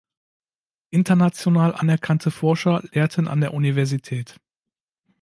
International anerkannte Forscher lehrten an der Universität.